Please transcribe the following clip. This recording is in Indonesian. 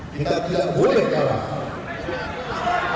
kita tidak boleh kalah